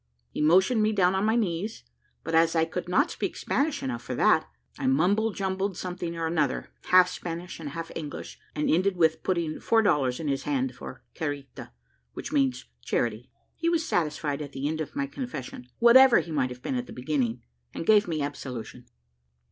He motioned me down on my knees; but as I could not speak Spanish enough for that, I mumble jumbled something or another, half Spanish and half English, and ended with putting four dollars in his hand for carita, which means charity. He was satisfied at the end of my confession, whatever he might have been at the beginning, and gave me absolution.